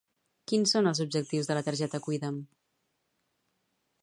Quins són els objectius de la targeta Cuida'm?